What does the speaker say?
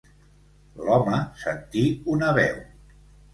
L'home sentí una veu.